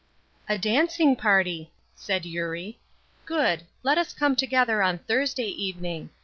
"A dancing party," said Eurie. "Good! Let us come together on Thursday evening.